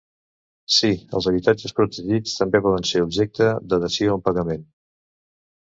Sí, els habitatges protegits també poden ser objecte de dació en pagament.